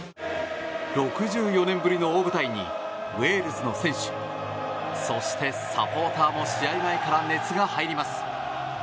６４年ぶりの大舞台にウェールズの選手そしてサポーターも試合前から熱が入ります。